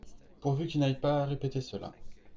pourvu qu'il n'aille pas répéter cela.